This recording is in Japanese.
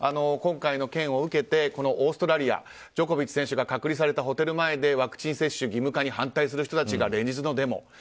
今回の件を受けてオーストラリアジョコビッチ選手が隔離されたホテル前でワクチン接種義務化に反対する人たちが連日のデモ。